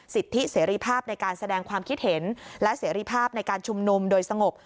สิทธิเสรีภาพในการแสดงความคิดเห็นและเสรีภาพในการชุมนุมโดยสงบ